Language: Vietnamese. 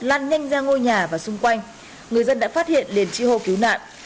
lan nhanh ra ngôi nhà và xung quanh người dân đã phát hiện liền tri hô cứu nạn